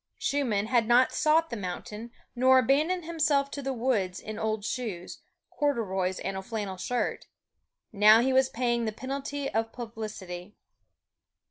Schumann had not sought the mountain, nor abandoned himself to the woods in old shoes, corduroys and a flannel shirt. Now he was paying the penalty of publicity.